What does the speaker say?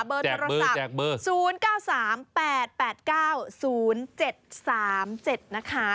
เบอร์โทรศัพท์๐๙๓๘๘๙๐๗๓๗นะคะ